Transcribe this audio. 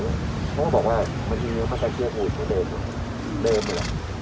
เขาก็บอกว่ามันยังไม่ใช่เชื้ออุ่นแบบเดิม